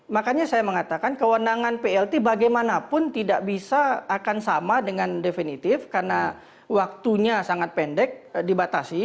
makanya saya mengatakan kewenangan plt bagaimanapun tidak bisa akan sama dengan definitif karena waktunya sangat pendek dibatasi